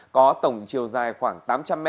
có tổng chiều dài khoảng tám trăm linh m